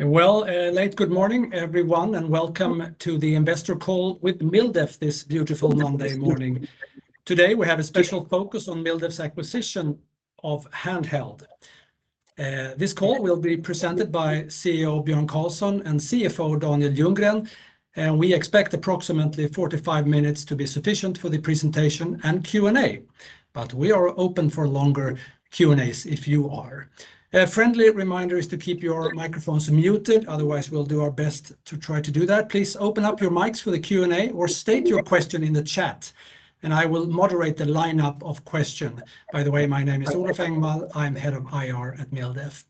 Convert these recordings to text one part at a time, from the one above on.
Well, a late good morning, everyone, and welcome to the investor call with MilDef this beautiful Monday morning. Today, we have a special focus on MilDef's acquisition of Handheld. This call will be presented by CEO Björn Karlsson and CFO Daniel Ljunggren, and we expect approximately 45 minutes to be sufficient for the presentation and Q&A. We are open for longer Q&As if you are. A friendly reminder is to keep your microphones muted, otherwise, we'll do our best to try to do that. Please open up your mics for the Q&A, or state your question in the chat, and I will moderate the lineup of question. By the way, my name is Olof Engvall. I'm the head of IR at MilDef.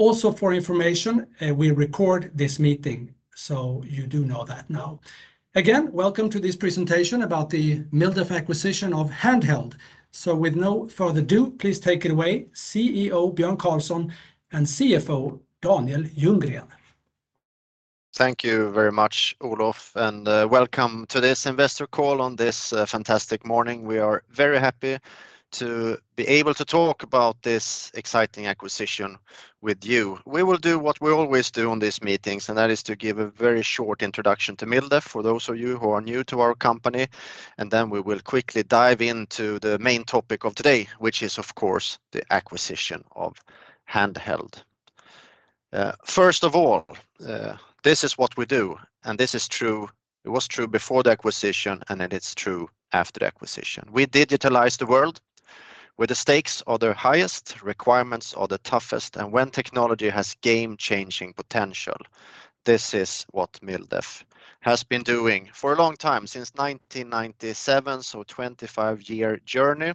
Also for information, we record this meeting, so you do know that now. Again, welcome to this presentation about the MilDef acquisition of Handheld. With no further ado, please take it away, CEO Björn Karlsson and CFO Daniel Ljunggren. Thank you very much, Olof, and welcome to this investor call on this fantastic morning. We are very happy to be able to talk about this exciting acquisition with you. We will do what we always do on these meetings, and that is to give a very short introduction to MilDef for those of you who are new to our company, and then we will quickly dive into the main topic of today, which is of course, the acquisition of Handheld. First of all, this is what we do, and this is true. It was true before the acquisition, and it is true after the acquisition. We digitalize the world where the stakes are the highest, requirements are the toughest, and when technology has game-changing potential. This is what MilDef has been doing for a long time, since 1997, so a 25-year journey.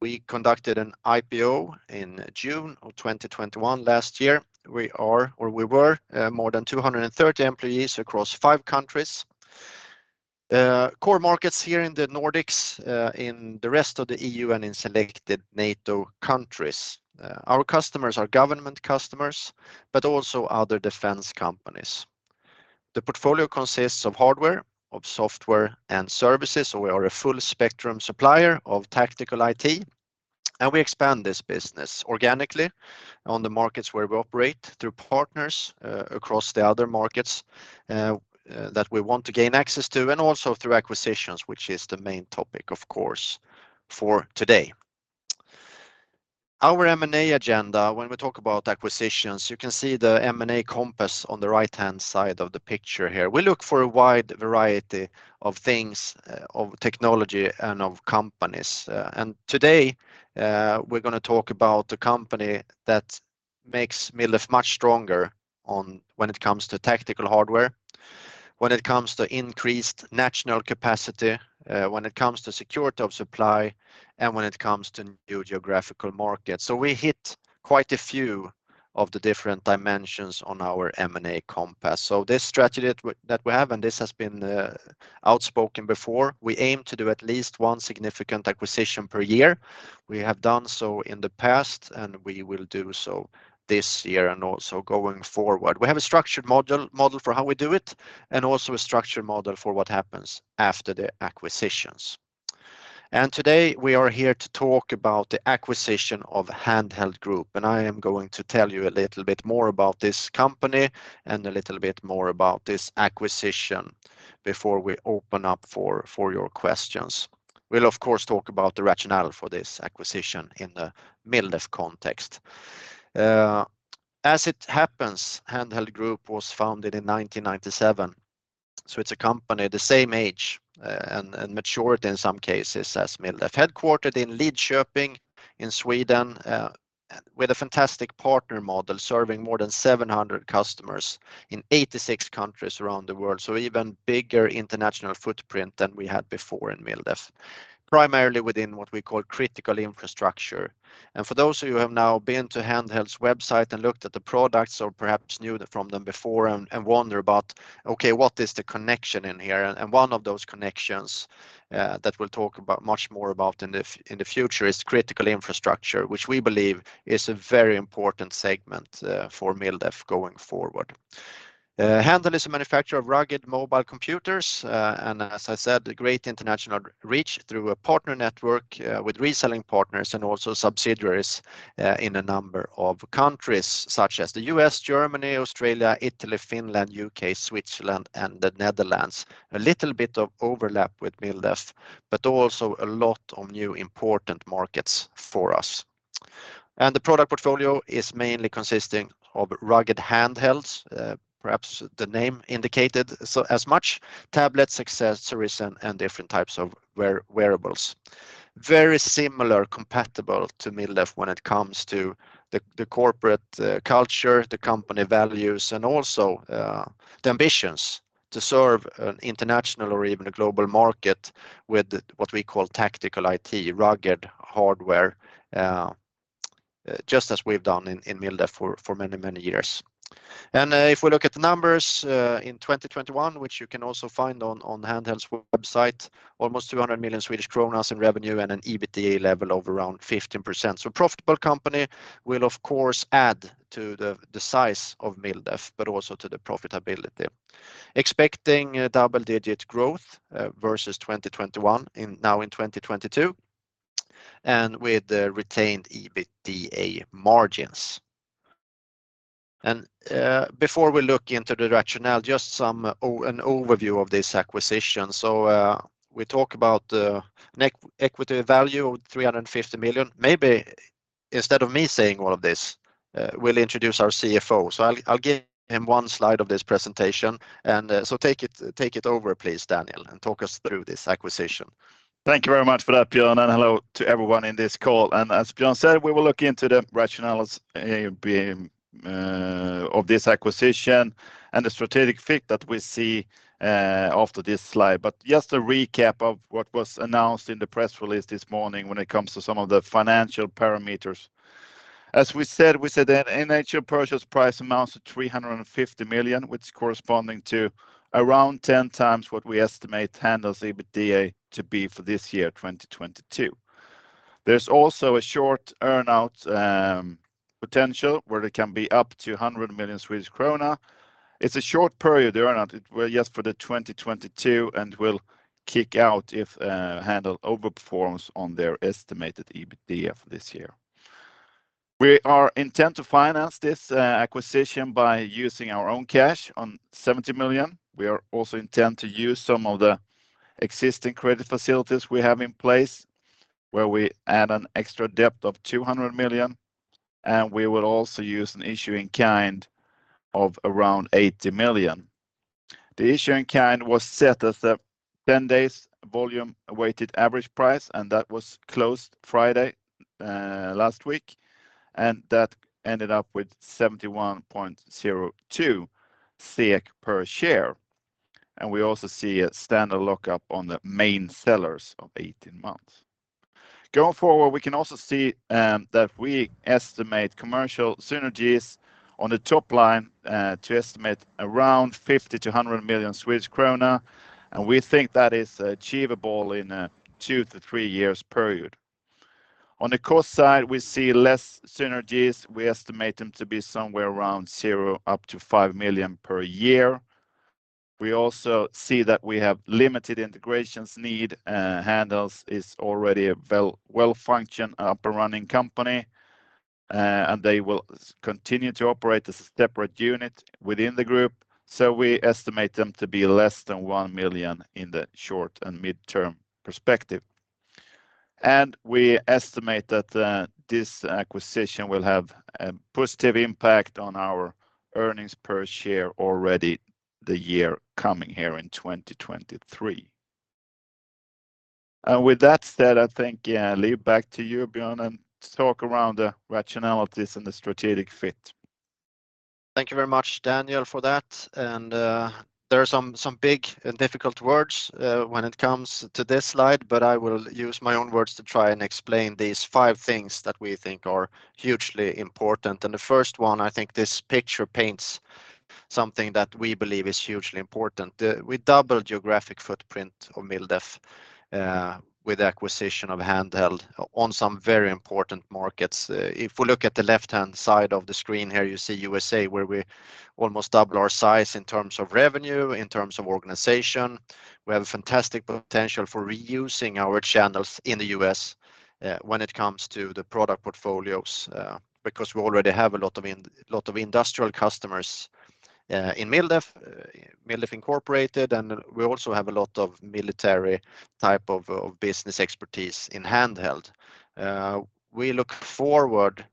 We conducted an IPO in June of 2021 last year. We are, or we were, more than 230 employees across 5 countries. Core markets here in the Nordics, in the rest of the EU and in selected NATO countries. Our customers are government customers but also other defense companies. The portfolio consists of hardware, of software and services, so we are a full-spectrum supplier of tactical IT, and we expand this business organically on the markets where we operate through partners, across the other markets, that we want to gain access to, and also through acquisitions, which is the main topic of course for today. Our M&A agenda, when we talk about acquisitions, you can see the M&A compass on the right-hand side of the picture here. We look for a wide variety of things of technology and of companies. Today, we're gonna talk about the company that makes MilDef much stronger when it comes to tactical hardware, when it comes to increased national capacity, when it comes to security of supply, and when it comes to new geographical markets. We hit quite a few of the different dimensions on our M&A compass. This strategy that we have, and this has been outlined before, we aim to do at least one significant acquisition per year. We have done so in the past, and we will do so this year and also going forward. We have a structured modular model for how we do it, and also a structured model for what happens after the acquisitions. Today, we are here to talk about the acquisition of Handheld Group, and I am going to tell you a little bit more about this company and a little bit more about this acquisition before we open up for your questions. We'll of course talk about the rationale for this acquisition in the MilDef context. As it happens, Handheld Group was founded in 1997, so it's a company the same age and maturity in some cases as MilDef. Headquartered in Lidköping in Sweden, with a fantastic partner model serving more than 700 customers in 86 countries around the world, so even bigger international footprint than we had before in MilDef, primarily within what we call critical infrastructure. For those of you who have now been to Handheld's website and looked at the products or perhaps knew them from them before and wonder about, okay, what is the connection in here? One of those connections that we'll talk about much more about in the future is critical infrastructure, which we believe is a very important segment for MilDef going forward. Handheld is a manufacturer of rugged mobile computers, and as I said, a great international reach through a partner network with reselling partners and also subsidiaries in a number of countries such as the U.S., Germany, Australia, Italy, Finland, U.K., Switzerland, and the Netherlands. A little bit of overlap with MilDef, but also a lot of new important markets for us. The product portfolio is mainly consisting of rugged handhelds, perhaps the name indicated so as much, tablets, accessories, and different types of wearables. Very similar, compatible to MilDef when it comes to the corporate culture, the company values, and also the ambitions to serve an international or even a global market with what we call tactical IT, rugged hardware, just as we've done in MilDef for many years. If we look at the numbers in 2021, which you can also find on Handheld's website, almost 200 million Swedish kronor in revenue and an EBITDA level of around 15%. A profitable company will of course add to the size of MilDef, but also to the profitability. Expecting double-digit growth versus 2021 in 2022, and with retained EBITDA margins. Before we look into the rationale, just some an overview of this acquisition. We talk about the net equity value of 350 million. Maybe instead of me saying all of this, we'll introduce our CFO. I'll give him one slide of this presentation and so take it over please, Daniel, and talk us through this acquisition. Thank you very much for that, Björn, and hello to everyone in this call. As Björn said, we will look into the rationales of this acquisition and the strategic fit that we see after this slide. Just a recap of what was announced in the press release this morning when it comes to some of the financial parameters. As we said that initial purchase price amounts to 350 million, which is corresponding to around 10 times what we estimate Handheld's EBITDA to be for this year, 2022. There's also a short earn-out potential where there can be up to 100 million Swedish krona. It's a short period earn-out. It will just for the 2022 and will kick out if Handheld overperforms on their estimated EBITDA for this year. We are intent to finance this acquisition by using our own cash of 70 million. We are also intent to use some of the existing credit facilities we have in place, where we add an extra debt of 200 million, and we will also use an issue in kind of around 80 million. The issue in kind was set as a 10-day volume-weighted average price, and that was closed Friday last week, and that ended up with 71.02 SEK per share. We also see a standard lockup on the main sellers of 18 months. Going forward, we can also see that we estimate commercial synergies on the top line to estimate around 50-100 million Swedish krona, and we think that is achievable in a 2-3 years period. On the cost side, we see less synergies. We estimate them to be somewhere around 0-5 million per year. We also see that we have limited integrations need. Handheld is already a well-functioned, up-and-running company, and they will continue to operate as a separate unit within the group. We estimate them to be less than 1 million in the short and mid-term perspective. We estimate that this acquisition will have a positive impact on our earnings per share already the year coming here in 2023. With that said, I think, yeah, I leave back to you, Björn, and talk around the rationalities and the strategic fit. Thank you very much, Daniel, for that. There are some big and difficult words when it comes to this slide, but I will use my own words to try and explain these five things that we think are hugely important. The first one, I think this picture paints something that we believe is hugely important. We double geographic footprint of MilDef with acquisition of Handheld on some very important markets. If we look at the left-hand side of the screen here, you see USA, where we almost double our size in terms of revenue, in terms of organization. We have fantastic potential for reusing our channels in the U.S., when it comes to the product portfolios, because we already have a lot of industrial customers in MilDef, Inc., and we also have a lot of military type of business expertise in Handheld. We look forward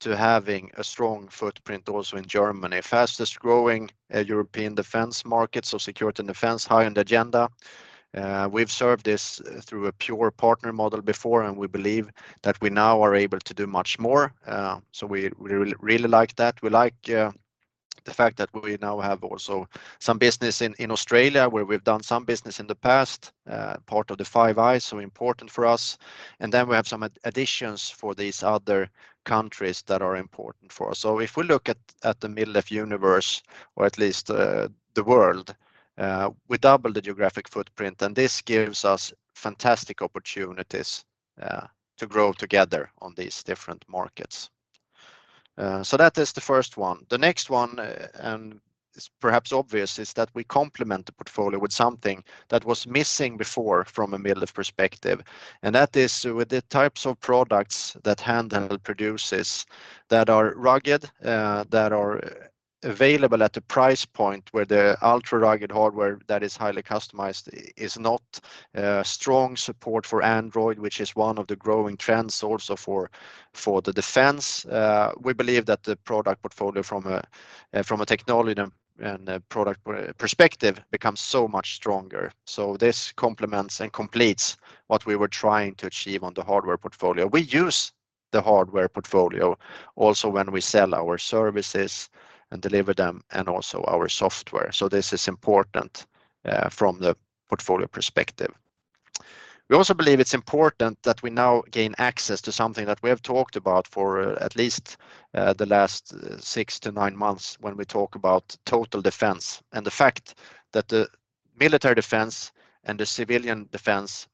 to having a strong footprint also in Germany, fastest growing European defense market, so security and defense high on the agenda. We've served this through a pure partner model before, and we believe that we now are able to do much more. We really like that. We like the fact that we now have also some business in Australia, where we've done some business in the past, part of the Five Eyes, so important for us. We have some additions for these other countries that are important for us. If we look at the MilDef universe, or at least the world, we double the geographic footprint and this gives us fantastic opportunities to grow together on these different markets. That is the first one. The next one, and it's perhaps obvious, is that we complement the portfolio with something that was missing before from a MilDef perspective. That is with the types of products that Handheld produces that are rugged, that are available at a price point where the ultra-rugged hardware that is highly customized is not strong support for Android, which is one of the growing trends also for the defense. We believe that the product portfolio from a technology and a product perspective becomes so much stronger. This complements and completes what we were trying to achieve on the hardware portfolio. We use the hardware portfolio also when we sell our services and deliver them, and also our software. This is important from the portfolio perspective. We also believe it's important that we now gain access to something that we have talked about for at least the last six to nine months when we talk about total defense and the fact that the military defense and the civilian defense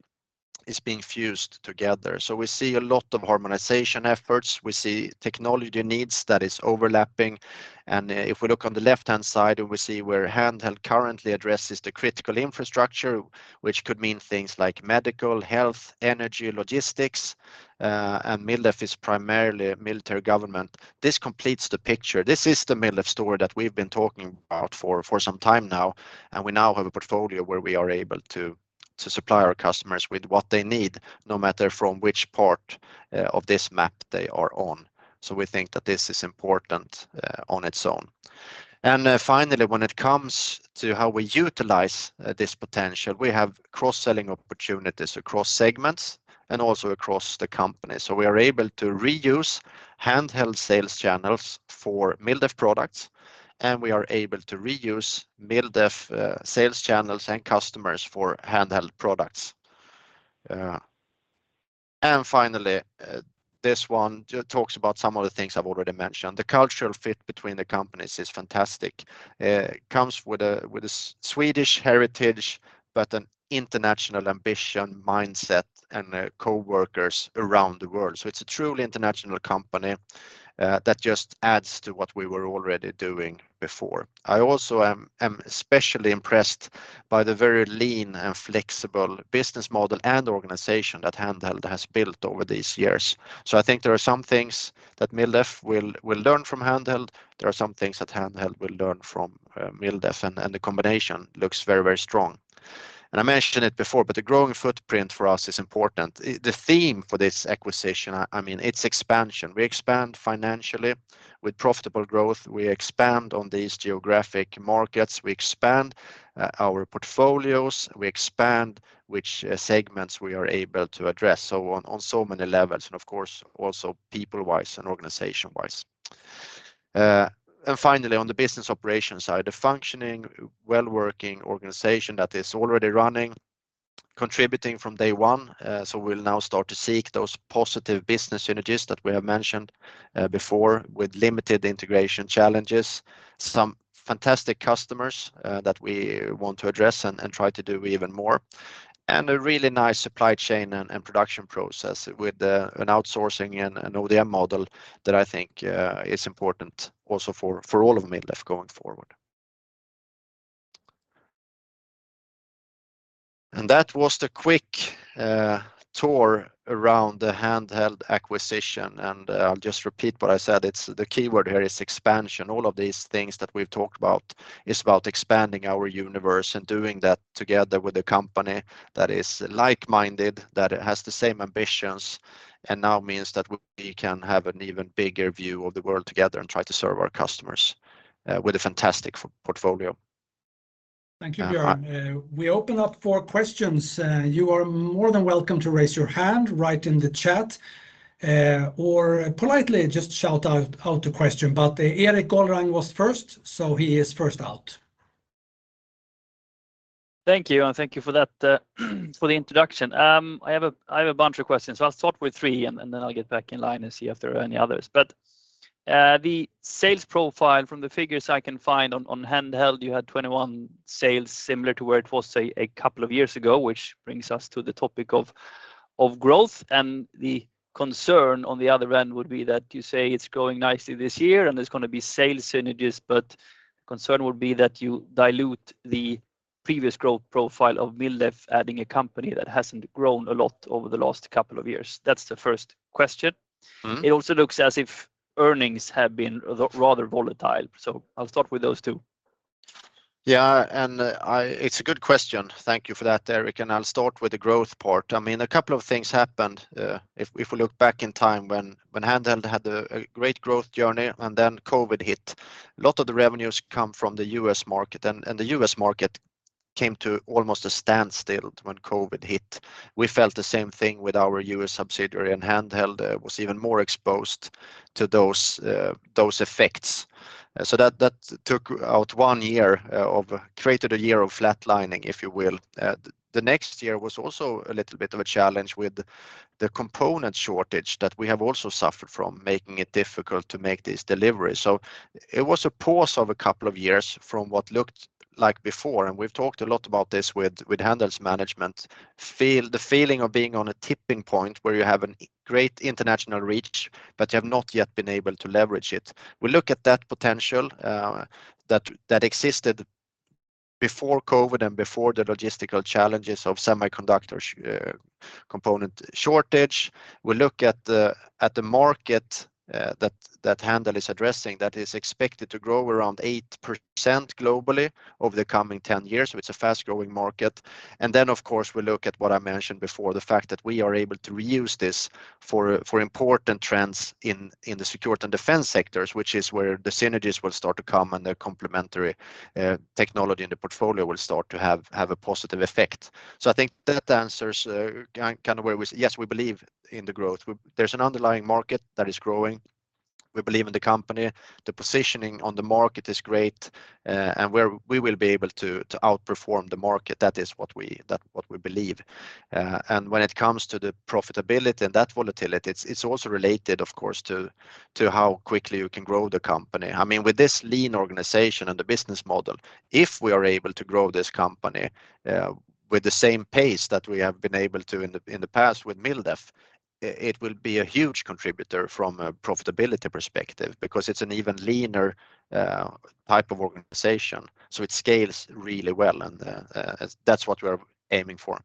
is being fused together. We see a lot of harmonization efforts. We see technology needs that is overlapping. If we look on the left-hand side, we see where Handheld currently addresses the critical infrastructure, which could mean things like medical, health, energy, logistics. And MilDef is primarily military government. This completes the picture. This is the MilDef story that we've been talking about for some time now, and we now have a portfolio where we are able to supply our customers with what they need, no matter from which part of this map they are on. We think that this is important on its own. Finally, when it comes to how we utilize this potential, we have cross-selling opportunities across segments and also across the company. We are able to reuse Handheld sales channels for MilDef products, and we are able to reuse MilDef sales channels and customers for Handheld products. Finally, this one just talks about some of the things I've already mentioned. The cultural fit between the companies is fantastic. It comes with a Swedish heritage, but an international ambition mindset and coworkers around the world. It's a truly international company that just adds to what we were already doing before. I also am especially impressed by the very lean and flexible business model and organization that Handheld has built over these years. I think there are some things that MilDef will learn from Handheld. There are some things that Handheld will learn from MilDef, and the combination looks very strong. I mentioned it before, but the growing footprint for us is important. The theme for this acquisition, I mean, it's expansion. We expand financially with profitable growth. We expand on these geographic markets. We expand our portfolios. We expand which segments we are able to address, so on so many levels, and of course, also people-wise and organization-wise. Finally, on the business operations side, a functioning, well-working organization that is already running, contributing from day one, so we'll now start to seek those positive business synergies that we have mentioned before with limited integration challenges, some fantastic customers that we want to address and try to do even more, and a really nice supply chain and production process with an outsourcing and an ODM model that I think is important also for all of MilDef going forward. That was the quick tour around the Handheld acquisition. I'll just repeat what I said. It's the keyword here is expansion. All of these things that we've talked about is about expanding our universe and doing that together with a company that is like-minded, that has the same ambitions, and now means that we can have an even bigger view of the world together and try to serve our customers with a fantastic portfolio. Thank you, Björn. We open up for questions. You are more than welcome to raise your hand, write in the chat, or politely just shout out a question. Erik GolrangHead of Equities was first, so he is first out. Thank you, and thank you for that, for the introduction. I have a bunch of questions. I'll start with three and then I'll get back in line and see if there are any others. The sales profile from the figures I can find on Handheld, you had 2021 sales, similar to where it was, say, a couple of years ago, which brings us to the topic of growth. The concern on the other end would be that you say it's growing nicely this year, and there's gonna be sales synergies, but concern would be that you dilute the previous growth profile of MilDef adding a company that hasn't grown a lot over the last couple of years. That's the first question. Mm-hmm. It also looks as if earnings have been rather volatile. I'll start with those two. It's a good question. Thank you for that, Erik. I'll start with the growth part. I mean, a couple of things happened. If we look back in time when Handheld had a great growth journey and then COVID hit, a lot of the revenues come from the US market, and the US market came to almost a standstill when COVID hit. We felt the same thing with our US subsidiary, and Handheld was even more exposed to those effects. So that took out one year created a year of flatlining, if you will. The next year was also a little bit of a challenge with the component shortage that we have also suffered from, making it difficult to make these deliveries. It was a pause of a couple of years from what looked like before, and we've talked a lot about this with Handheld's management, the feeling of being on a tipping point where you have a great international reach, but you have not yet been able to leverage it. We look at that potential, that existed before COVID and before the logistical challenges of semiconductor component shortage. We look at the market that Handheld is addressing that is expected to grow around 8% globally over the coming 10 years, it's a fast-growing market. Of course, we look at what I mentioned before, the fact that we are able to reuse this for important trends in the security and defense sectors, which is where the synergies will start to come and the complementary technology in the portfolio will start to have a positive effect. I think that answers kind of where we are. Yes, we believe in the growth. There's an underlying market that is growing. We believe in the company. The positioning on the market is great, and we will be able to outperform the market. That is what we believe. When it comes to the profitability and that volatility, it's also related, of course, to how quickly you can grow the company. I mean, with this lean organization and the business model, if we are able to grow this company with the same pace that we have been able to in the past with MilDef, it will be a huge contributor from a profitability perspective because it's an even leaner type of organization, so it scales really well, and that's what we're aiming for.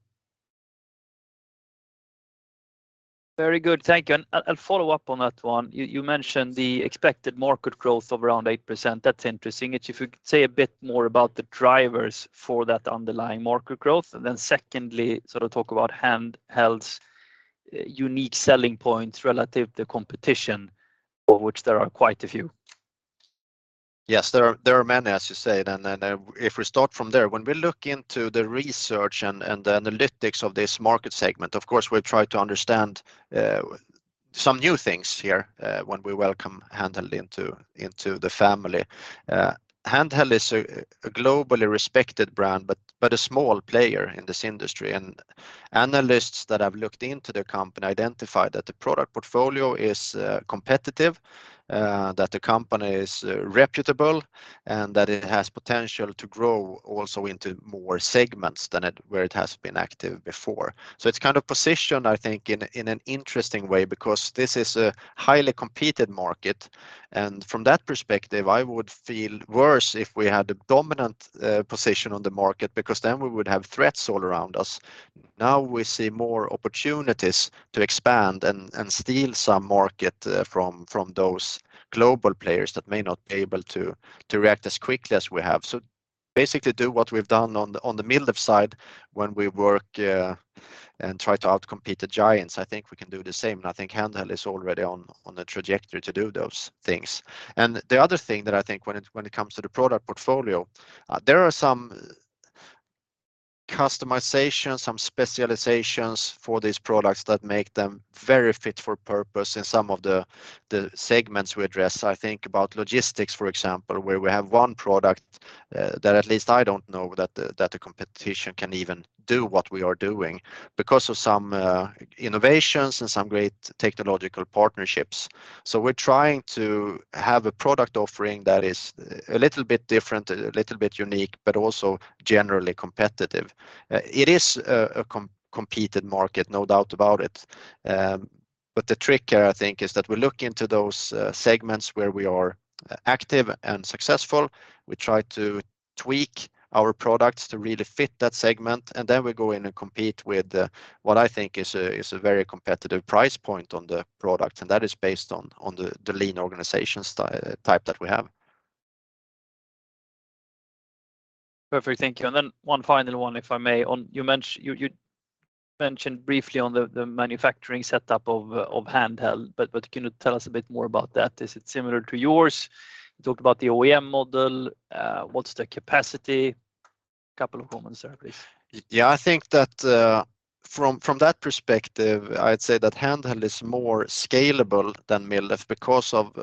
Very good. Thank you. I'll follow up on that one. You mentioned the expected market growth of around 8%. That's interesting. If you could say a bit more about the drivers for that underlying market growth. Secondly, sort of talk about Handheld's unique selling points relative to competition, of which there are quite a few. Yes, there are many, as you said. If we start from there, when we look into the research and the analytics of this market segment, of course, we'll try to understand some new things here when we welcome Handheld into the family. Handheld is a globally respected brand, but a small player in this industry. Analysts that have looked into the company identified that the product portfolio is competitive, that the company is reputable and that it has potential to grow also into more segments than it has been active before. It's kind of positioned, I think, in an interesting way because this is a highly competitive market. From that perspective, I would feel worse if we had a dominant position on the market because then we would have threats all around us. Now we see more opportunities to expand and steal some market from those global players that may not be able to react as quickly as we have. Basically do what we've done on the MilDef side when we work and try to outcompete the giants. I think we can do the same. I think Handheld is already on a trajectory to do those things. The other thing that I think when it comes to the product portfolio, there are some customization, some specializations for these products that make them very fit for purpose in some of the segments we address. I think about logistics, for example, where we have one product that at least I don't know that the competition can even do what we are doing because of some innovations and some great technological partnerships. We're trying to have a product offering that is a little bit different, a little bit unique, but also generally competitive. It is a competitive market, no doubt about it. The trick here, I think, is that we look into those segments where we are active and successful. We try to tweak our products to really fit that segment, and then we go in and compete with what I think is a very competitive price point on the product, and that is based on the lean organization type that we have. Perfect. Thank you. Then one final one, if I may. You mentioned briefly on the manufacturing setup of Handheld, but can you tell us a bit more about that? Is it similar to yours? You talked about the OEM model. What's the capacity? Couple of comments there, please. Yeah. I think that from that perspective, I'd say that Handheld is more scalable than MilDef because of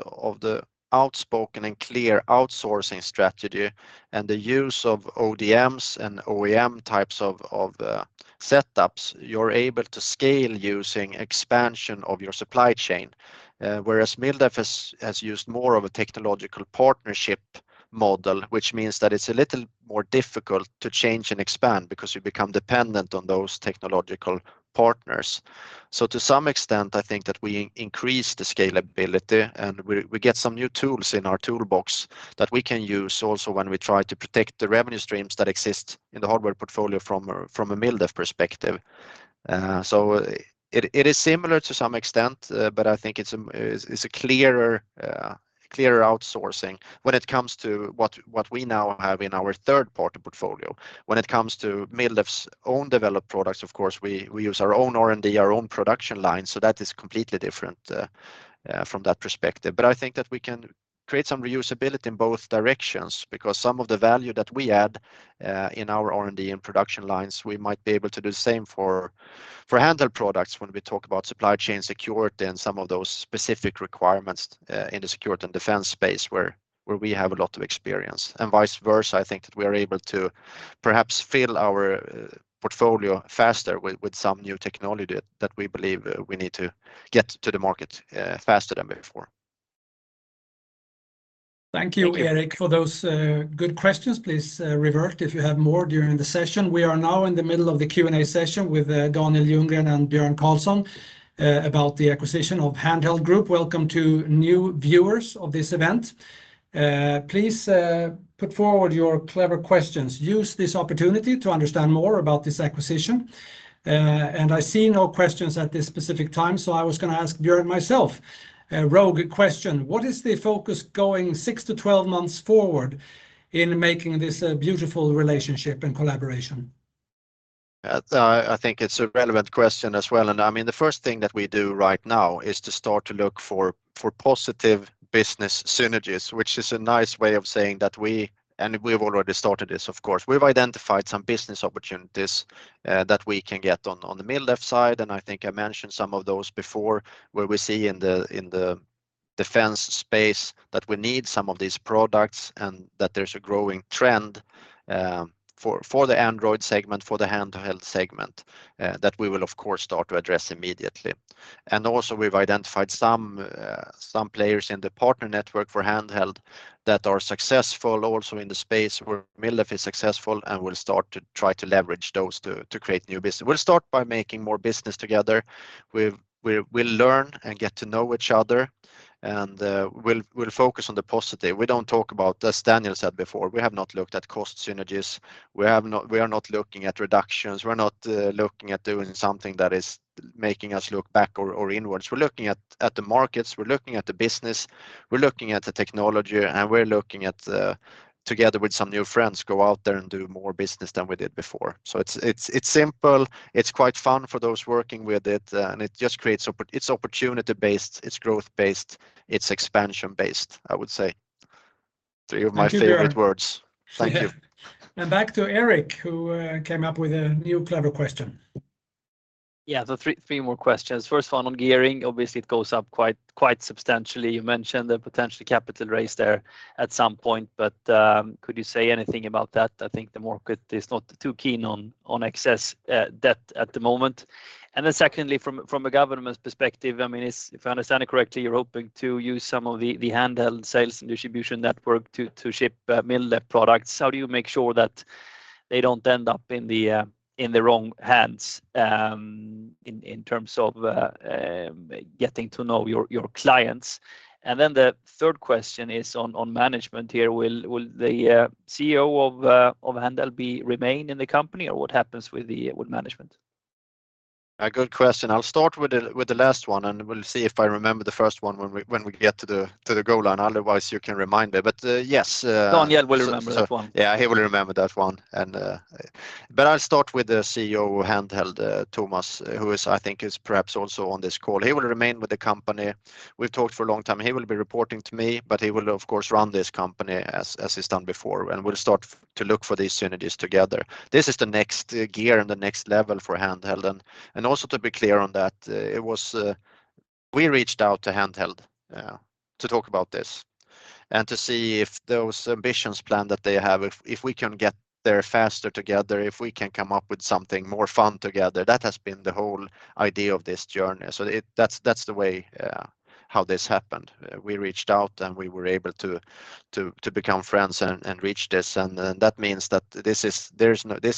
the outspoken and clear outsourcing strategy and the use of ODMs and OEM types of setups. You're able to scale using expansion of your supply chain. Whereas MilDef has used more of a technological partnership model, which means that it's a little more difficult to change and expand because you become dependent on those technological partners. To some extent, I think that we increase the scalability and we get some new tools in our toolbox that we can use also when we try to protect the revenue streams that exist in the hardware portfolio from a MilDef perspective. It is similar to some extent, but I think it's a clearer outsourcing when it comes to what we now have in our third-party portfolio. When it comes to MilDef's own developed products, of course, we use our own R&D, our own production line. That is completely different from that perspective. I think that we can create some reusability in both directions because some of the value that we add in our R&D and production lines, we might be able to do the same for Handheld products when we talk about supply chain security and some of those specific requirements in the security and defense space where we have a lot of experience. Vice versa, I think that we are able to perhaps fill our portfolio faster with some new technology that we believe we need to get to the market faster than before. Thank you, Erik, for those good questions. Please revert if you have more during the session. We are now in the middle of the Q&A session with Daniel Ljunggren and Björn Karlsson about the acquisition of Handheld Group. Welcome to new viewers of this event. Please put forward your clever questions. Use this opportunity to understand more about this acquisition. I see no questions at this specific time, so I was gonna ask Björn myself a rogue question. What is the focus going 6-12 months forward in making this a beautiful relationship and collaboration? I think it's a relevant question as well. I mean, the first thing that we do right now is to start to look for positive business synergies, which is a nice way of saying that we've already started this, of course. We've identified some business opportunities that we can get on the MilDef side, and I think I mentioned some of those before, where we see in the defense space that we need some of these products and that there's a growing trend for the Android segment, for the Handheld segment, that we will of course start to address immediately. We've also identified some players in the partner network for Handheld that are successful also in the space where MilDef is successful and will start to try to leverage those to create new business. We'll start by making more business together. We'll learn and get to know each other and we'll focus on the positive. We don't talk about, as Daniel said before, we have not looked at cost synergies. We are not looking at reductions. We're not looking at doing something that is making us look back or inwards. We're looking at the markets, we're looking at the business, we're looking at the technology, and we're looking at together with some new friends, go out there and do more business than we did before. It's simple. It's quite fun for those working with it, and it just creates. It's opportunity-based, it's growth-based, it's expansion-based, I would say. Three of my favorite words. Thank you, Björn. Thank you. Back to Erik Golrang, who came up with a new clever question. Yeah. Three more questions. First one on gearing, obviously it goes up quite substantially. You mentioned the potential capital raise there at some point, but could you say anything about that? I think the market is not too keen on excess debt at the moment. Then secondly, from a government's perspective, I mean, if I understand it correctly, you're hoping to use some of the Handheld sales and distribution network to ship MilDef products. How do you make sure that they don't end up in the wrong hands in terms of getting to know your clients? Then the third question is on management here. Will the CEO of Handheld remain in the company or what happens with management? A good question. I'll start with the last one, and we'll see if I remember the first one when we get to the goal line. Otherwise you can remind me. Yes. Daniel will remember that one. Yeah, he will remember that one. I'll start with the CEO of Handheld, Tomas, who I think is perhaps also on this call. He will remain with the company. We've talked for a long time. He will be reporting to me, but he will of course run this company as he's done before. We'll start to look for these synergies together. This is the next gear and the next level for Handheld. Also to be clear on that, it was we reached out to Handheld to talk about this and to see if those ambitions plan that they have, if we can get there faster together, if we can come up with something more fun together, that has been the whole idea of this journey. That's the way how this happened. We reached out and we were able to become friends and reach this. That means that this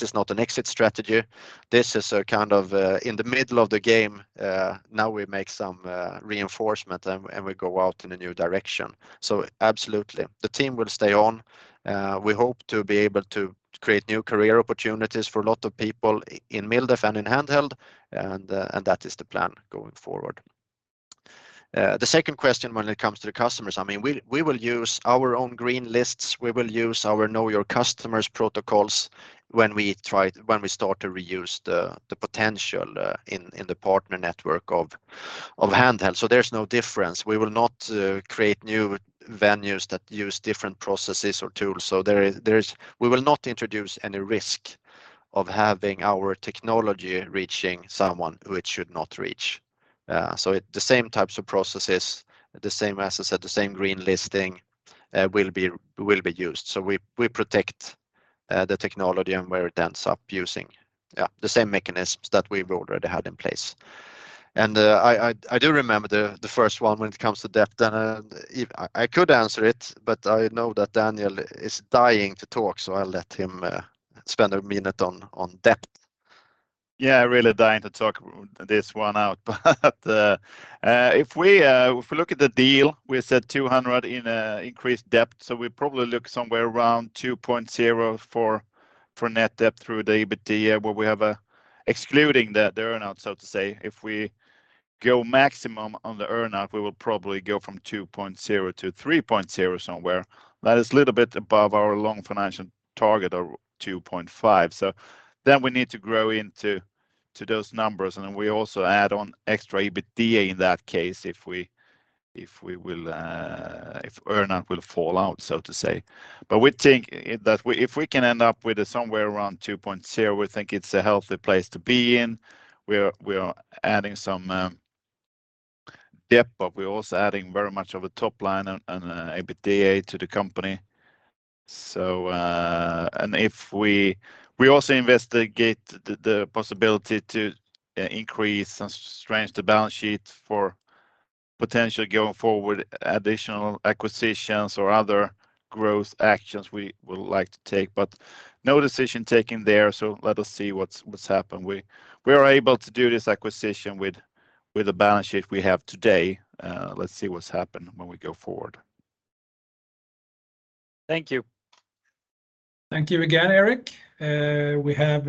is not an exit strategy. This is a kind of, in the middle of the game, now we make some reinforcement and we go out in a new direction. Absolutely the team will stay on. We hope to be able to create new career opportunities for a lot of people in MilDef and in Handheld and that is the plan going forward. The second question when it comes to the customers, I mean, we will use our own green lists. We will use our know your customer protocols when we start to reuse the potential in the partner network of Handheld. There's no difference. We will not create new venues that use different processes or tools. We will not introduce any risk of having our technology reaching someone who it should not reach. The same types of processes, as I said, the same green listing, will be used. We protect the technology and where it ends up using the same mechanisms that we've already had in place. I do remember the first one when it comes to debt. I could answer it, but I know that Daniel is dying to talk, so I'll let him spend a minute on debt. Yeah, really dying to talk this one out. If we look at the deal, we said 200 in increased debt. We probably look somewhere around 2.0x for net debt to EBITDA excluding the earn-out, so to say. If we go maximum on the earn-out, we will probably go from 2.0x to 3.0x somewhere. That is a little bit above our long-term financial target of 2.5x. Then we need to grow into those numbers, and we also add on extra EBITDA in that case if the earn-out will play out, so to say. We think that if we can end up with it somewhere around 2.0x, we think it's a healthy place to be in. We are adding some debt, but we're also adding very much of a top line and EBITDA to the company. If we also investigate the possibility to increase and strengthen the balance sheet for potentially going forward additional acquisitions or other growth actions we would like to take, but no decision taken there. Let us see what's happened. We are able to do this acquisition with the balance sheet we have today. Let's see what's happened when we go forward. Thank you. Thank you again, Erik. We have,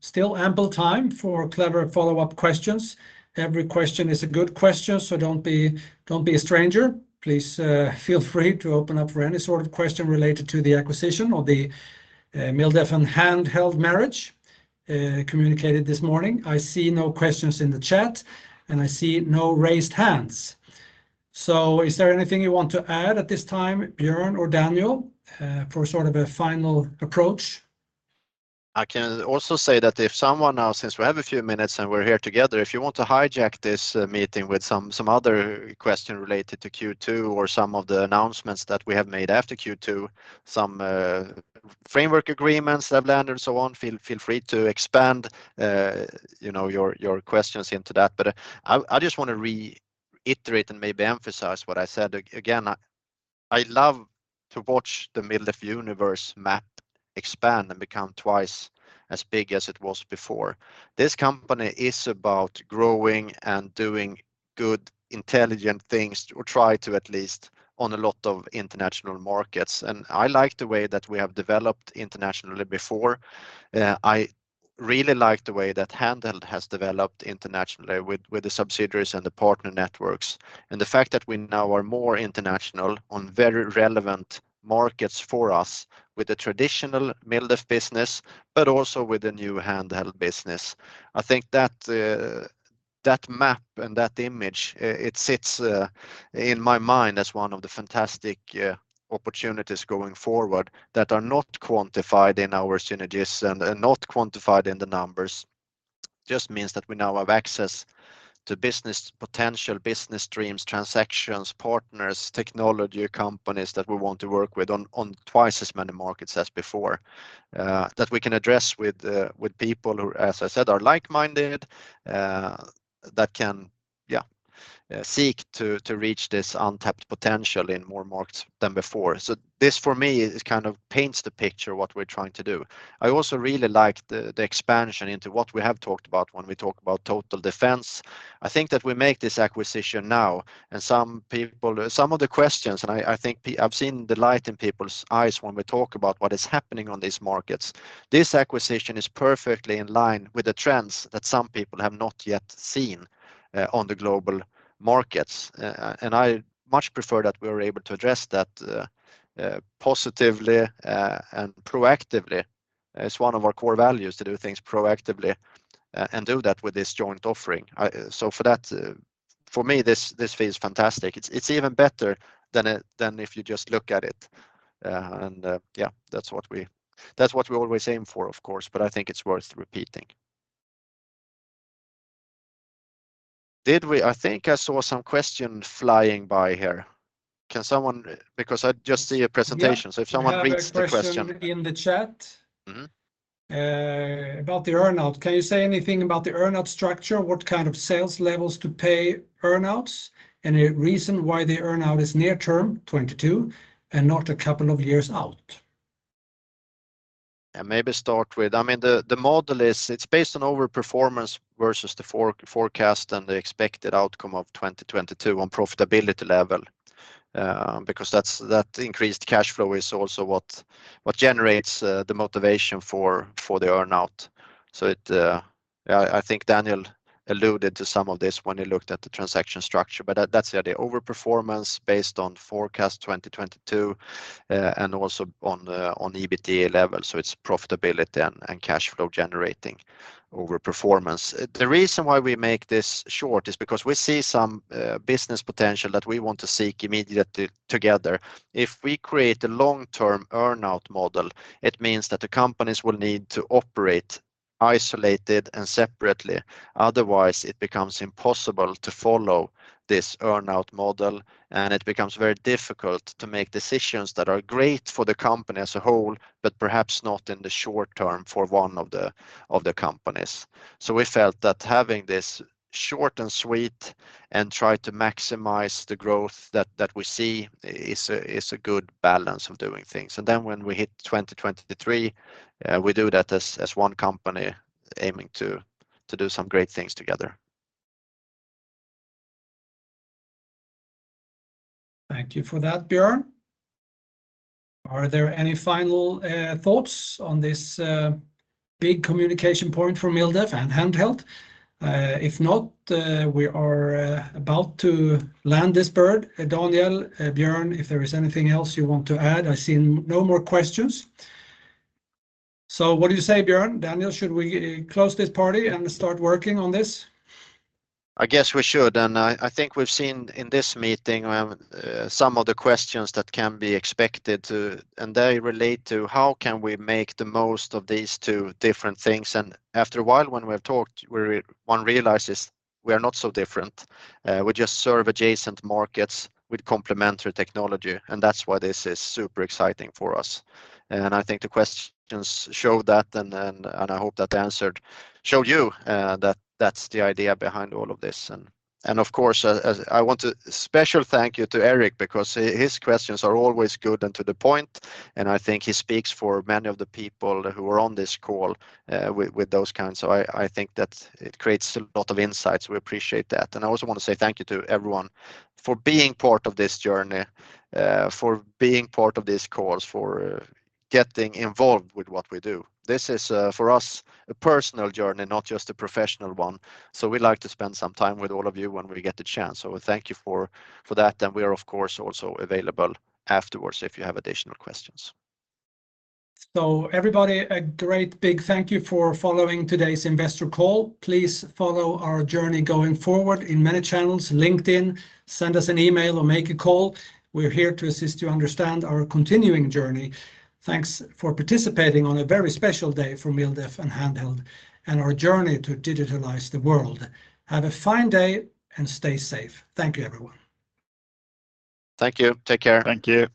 still ample time for clever follow-up questions. Every question is a good question, so don't be a stranger. Please, feel free to open up for any sort of question related to the acquisition or the, MilDef and Handheld marriage, communicated this morning. I see no questions in the chat, and I see no raised hands. Is there anything you want to add at this time, Björn or Daniel, for sort of a final approach? I can also say that if someone now, since we have a few minutes and we're here together, if you want to hijack this meeting with some other question related to Q2 or some of the announcements that we have made after Q2, some framework agreements that have landed and so on, feel free to expand, you know, your questions into that. I just wanna reiterate and maybe emphasize what I said. Again, I love to watch the MilDef universe map expand and become twice as big as it was before. This company is about growing and doing good, intelligent things, or try to at least, on a lot of international markets. I like the way that we have developed internationally before. I really like the way that Handheld has developed internationally with the subsidiaries and the partner networks. The fact that we now are more international on very relevant markets for us with the traditional MilDef business, but also with the new Handheld business, I think that that map and that image, it sits in my mind as one of the fantastic opportunities going forward that are not quantified in our synergies and not quantified in the numbers. Just means that we now have access to business potential, business streams, transactions, partners, technology companies that we want to work with on twice as many markets as before, that we can address with people who, as I said, are like-minded, that can seek to reach this untapped potential in more markets than before. This, for me, kind of paints the picture what we're trying to do. I also really like the expansion into what we have talked about when we talk about total defense. I think that we make this acquisition now, and some people, some of the questions, and I've seen the light in people's eyes when we talk about what is happening on these markets. This acquisition is perfectly in line with the trends that some people have not yet seen on the global markets. I much prefer that we are able to address that positively and proactively as one of our core values, to do things proactively and do that with this joint offering. For that, for me, this feels fantastic. It's even better than if you just look at it. Yeah, that's what we always aim for, of course, but I think it's worth repeating. Did we? I think I saw some question flying by here. Can someone? Because I just see a presentation. Yeah If someone reads the question. We have a question in the chat. Mm-hmm about the earn-out. Can you say anything about the earn-out structure? What kind of sales levels to pay earn-outs? Any reason why the earn-out is near term, 2022, and not a couple of years out? I mean, the model is, it's based on over-performance versus the forecast and the expected outcome of 2022 on profitability level, because that increased cashflow is also what generates the motivation for the earn-out. I think Daniel alluded to some of this when he looked at the transaction structure. That's the idea, over-performance based on forecast 2022, and also on EBITDA level, so it's profitability and cashflow-generating over-performance. The reason why we make this short is because we see some business potential that we want to seek immediately together. If we create a long-term earn-out model, it means that the companies will need to operate isolated and separately, otherwise it becomes impossible to follow this earn-out model, and it becomes very difficult to make decisions that are great for the company as a whole, but perhaps not in the short term for one of the companies. We felt that having this short and sweet and try to maximize the growth that we see is a good balance of doing things. When we hit 2023, we do that as one company aiming to do some great things together. Thank you for that, Björn. Are there any final thoughts on this big communication point for MilDef and Handheld? If not, we are about to land this bird. Daniel, Björn, if there is anything else you want to add. I see no more questions. What do you say, Björn, Daniel, should we close this party and start working on this? I guess we should. I think we've seen in this meeting some of the questions that can be expected. They relate to how can we make the most of these two different things. After a while when we have talked, one realizes we are not so different. We just serve adjacent markets with complementary technology, and that's why this is super exciting for us. I think the questions show that, and I hope that the answer showed you that that's the idea behind all of this. Of course, I want to specially thank you to Erik because his questions are always good and to the point, and I think he speaks for many of the people who are on this call with those kinds. I think that it creates a lot of insights. We appreciate that. I also wanna say thank you to everyone for being part of this journey, for being part of this call, for getting involved with what we do. This is, for us, a personal journey, not just a professional one, so we like to spend some time with all of you when we get the chance, so thank you for that. We are of course also available afterwards if you have additional questions. Everybody, a great big thank you for following today's investor call. Please follow our journey going forward in many channels. LinkedIn, send us an email, or make a call. We're here to assist you understand our continuing journey. Thanks for participating on a very special day for MilDef and Handheld and our journey to digitalize the world. Have a fine day, and stay safe. Thank you, everyone. Thank you. Take care. Thank you.